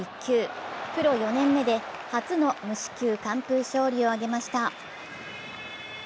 プロ４年目で、初の無四球完封勝利をあげました。